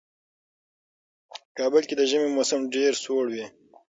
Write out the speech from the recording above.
په کابل کې د ژمي موسم ډېر سوړ وي.